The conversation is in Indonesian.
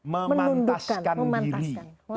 memantaskan diri memantaskan